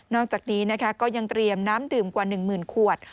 อกจากนี้นะคะก็ยังเตรียมน้ำดื่มกว่า๑หมื่นขวด